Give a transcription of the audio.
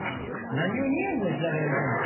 何をニヤニヤしながら言うてんねん。